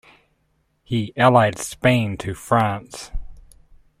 He allied Spain to France.